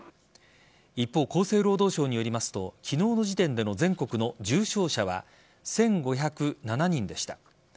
一方、厚生労働省によりますと昨日の時点での全国の重症者は１５０７人でした。